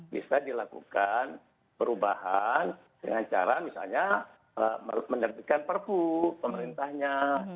bisa dilakukan perubahan dengan cara misalnya menerbitkan perpu pemerintahnya